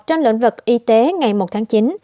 trong lĩnh vực y tế ngày một tháng chín